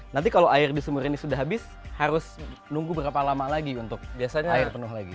nanti kalau air di sumur ini sudah habis harus nunggu berapa lama lagi untuk biasanya air penuh lagi